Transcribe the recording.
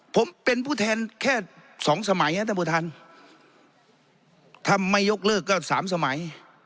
ผมเป็นผู้แทนแค่สองสมัยนะท่านผู้ท่านถ้าไม่ยกเลิกก็สามสมัย